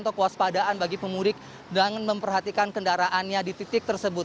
atau kewaspadaan bagi pemudik dengan memperhatikan kendaraannya di titik tersebut